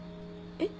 えっ？